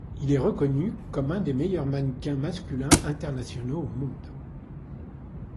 Il est reconnu comme un des meilleurs mannequins masculins internationaux au monde.